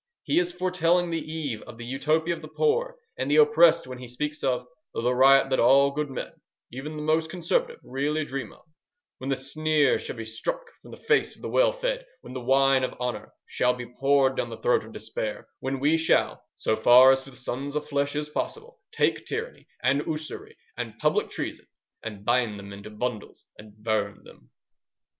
He is foretelling the eve of the Utopia of the poor and the oppressed when he speaks of the riot that all good men, even the most conservative, really dream of, when the sneer shall be struck from the face of the well fed; when the wine of honour shall be poured down the throat of despair; when we shall, so far as to the sons of flesh is possible, take tyranny, and usury, and public treason, and bind them into bundles, and burn them.